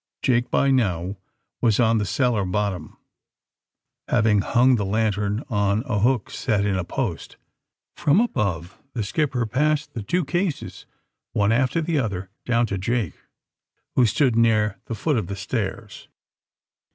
Jake, by now, was on the cellar bottom, hav ing hung the lantern on a hook set in a post. From above the skipper passed the two cases, one after the other, down to Jake, who stood near the foot of the stairs.